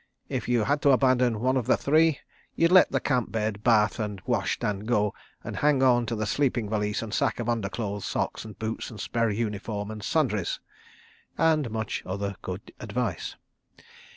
If you had to abandon one of the three, you'd let the camp bed, bath and wash stand go, and hang on to the sleeping valise and sack of underclothes, socks, boots, spare uniform and sundries," and much other good advice.